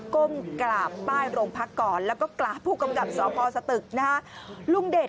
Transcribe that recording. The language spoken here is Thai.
ก้มกราบแบบนี้กราบแบบจริงเลย